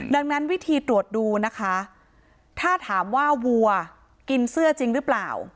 ดังนั้นวิธีตรวจดูนะคะถ้าถามว่าวัวกินเสื้อจริงหรือเปล่า